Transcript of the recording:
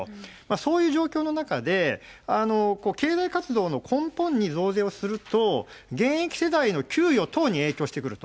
そういう状況の中で、経済活動の根本に増税をすると、現役世代の給与等に影響してくると。